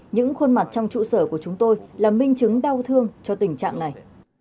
những khuôn mặt trong trụ sở của chúng tôi là minh chứng đau thương cho tình trạng này